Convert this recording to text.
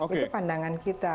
itu pandangan kita